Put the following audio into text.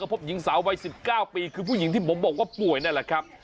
พบหญิงสาววัย๑๙ปีคือผู้หญิงที่ผมบอกว่าป่วยนั่นแหละครับ